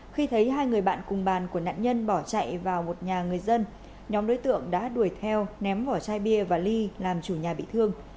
khi thấy hai người bạn cùng bàn của nạn nhân bỏ chạy vào một nhà người dân nhóm đối tượng đã đuổi theo ném vỏ chai bia và ly làm chủ nhà bị thương